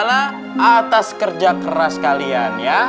atas kerja keras kalian ya